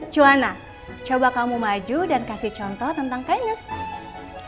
juana coba kamu maju dan kasih contoh tentang kindness